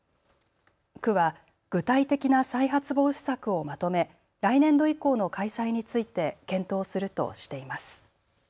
区は具体的な再発防止策をまとめ来年度以降の開催について検討するとしています。